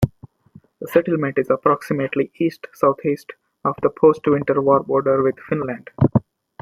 The settlement is approximately east-southeast of the post-Winter War border with Finland.